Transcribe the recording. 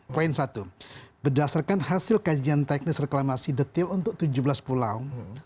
poin satu berdasarkan hasil kajian teknis reklamasi detail untuk tujuh belas pulau